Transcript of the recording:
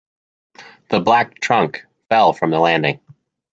The black trunk fell from the landing.